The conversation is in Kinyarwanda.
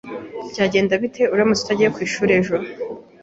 Byagenda bite uramutse utagiye ku ishuri ejo?